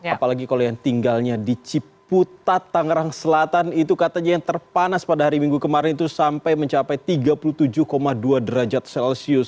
apalagi kalau yang tinggalnya di ciputat tangerang selatan itu katanya yang terpanas pada hari minggu kemarin itu sampai mencapai tiga puluh tujuh dua derajat celcius